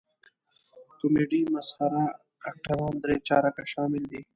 کمیډي مسخره اکټران درې چارکه شامل دي.